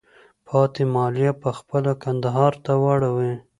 پاتې مالیه په خپله کندهار ته راوړئ.